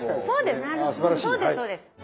そうですそうです。